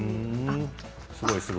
すごい、すごい。